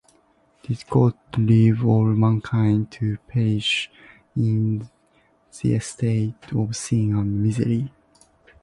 Did God leave all mankind to perish in the estate of sin and misery?